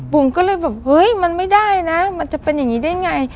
ผมก็เลยแบบเฮ้ยมันไม่ได้นะมันจะเป็นอย่างนี้ได้ไง